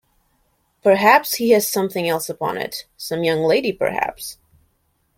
Perhaps he has something else upon it — some young lady, perhaps?